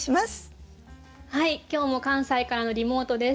はい今日も関西からのリモートです。